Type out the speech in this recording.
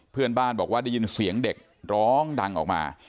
เพื่อนบ้านบอกว่าได้ยินเสียงเด็กร้องดังออกมา